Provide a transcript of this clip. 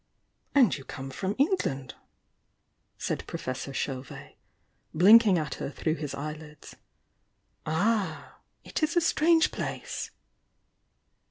"And you come from England!" said Professor Chauvet, blinking at her through his eyelids. "Ah! it is a strange place!"